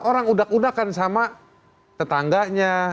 orang udak udakan sama tetangganya